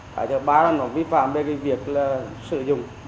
cái thứ ba là nó vi phạm về cái việc là sử dụng